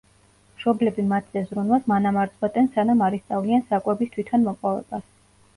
მშობლები მათზე ზრუნვას მანამ არ წყვეტენ, სანამ არ ისწავლიან საკვების თვითონ მოპოვებას.